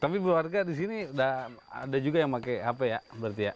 tapi keluarga di sini ada juga yang pakai hp ya berarti ya